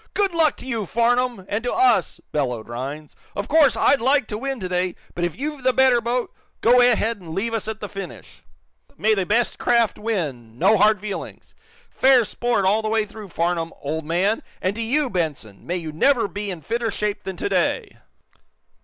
"Good luck to you, Farnum and to us!" bellowed Rhinds. "Of course, I'd like to win today, but if you've the better boat, go ahead and leave us at the finish. May the best craft win, no hard feelings! Fair sport all the way through, Farnum, old and to you, Benson may you never be in fitter shape than to day!"